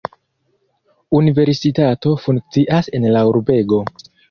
Universitato funkcias en la urbego.